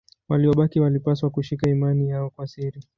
Waliobaki walipaswa kushika imani yao kwa siri.